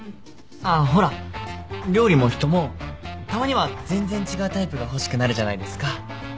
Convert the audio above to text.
ああほら料理も人もたまには全然違うタイプが欲しくなるじゃないですか。